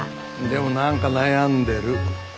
でも何か悩んでる。